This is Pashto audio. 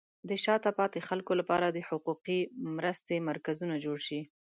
د شاته پاتې خلکو لپاره د حقوقي مرستې مرکزونه جوړ شي.